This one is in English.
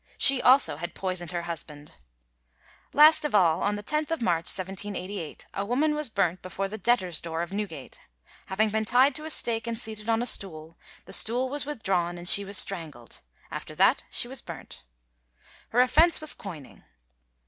She also had poisoned her husband. Last of all, on the 10th March, 1788, a woman was burnt before the debtors' door of Newgate. Having been tied to a stake and seated on a stool, the stool was withdrawn and she was strangled. After that she was burnt. Her offence was coining.